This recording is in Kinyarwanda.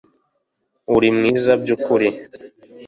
Uri mwiza byukuri